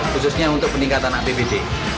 khususnya untuk peningkatan apbd